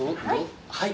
はい。